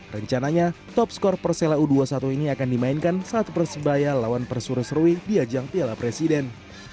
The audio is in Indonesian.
rencananya top skor persela u dua puluh satu ini akan dimainkan saat persebaya lawan persuru serui di ajang piala presiden